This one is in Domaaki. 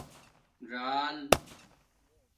ژݴل